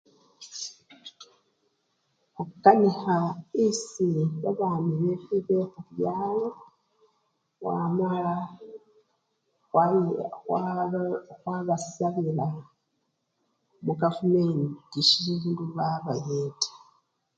Khukanikha esii babami befwe bekhubyalo, wamala baa! khwabasabila mukavumenti sindu babayeta.